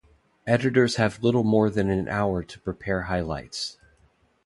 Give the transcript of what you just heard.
Editors have little more than an hour to prepare highlights.